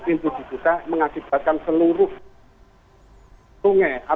kemudian tidak ada